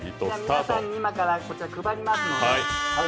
皆さんに今からこちら配りますので。